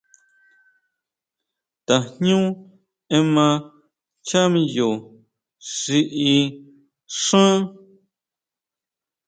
Tajñú ema nchá miyo xi í xán.